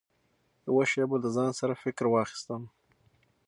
يوه شېبه له ځان سره فکر واخيستم .